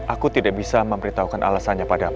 aku tidak bisa memberitahukan alasannya padamu